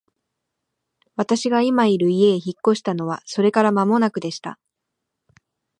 私が今居る家へ引っ越したのはそれから間もなくでした。